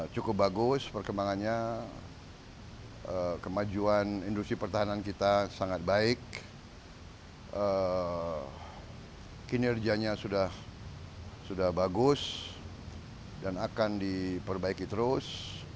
cukup bagus perkembangannya kemajuan industri pertahanan kita sangat baik kinerjanya sudah bagus dan akan diperbaiki terus